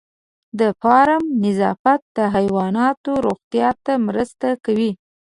د فارم نظافت د حیواناتو روغتیا ته مرسته کوي.